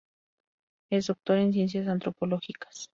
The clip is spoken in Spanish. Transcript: Es doctor en Ciencias Antropológicas.